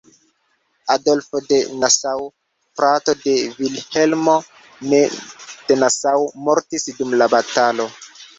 Adolfo de Nassau, frato de Vilhelmo de Nassau, mortis dum la batalo.